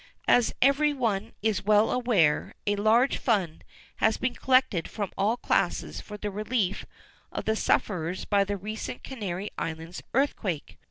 As every one is well aware, a large fund has been collected from all classes for the relief of the sufferers by the recent Canary Island earthquake.